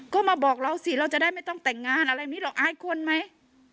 ก็มาบอกเราสิเราจะได้ไม่ต้องแต่งงานอะไรมีหรอกอายคนไหม